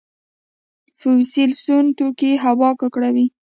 فوسیل سون توکي هوا ککړوي